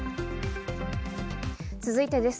続いてです。